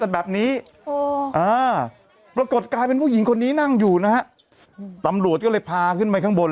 แบบนี้ปรากฏกลายเป็นผู้หญิงคนนี้นั่งอยู่นะฮะตำรวจก็เลยพาขึ้นไปข้างบน